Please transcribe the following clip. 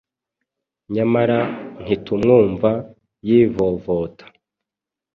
nyamara ntitumwumva yivovota.